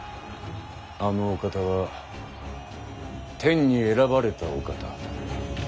あのお方は天に選ばれたお方。